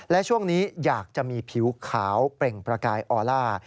และช่วงนี้อยากจะมีผิวขาวเปล่งประกายออล่า